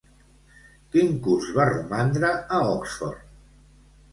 Quin curs va romandre a Oxford?